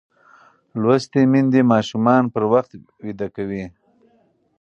لوستې میندې ماشومان پر وخت ویده کوي.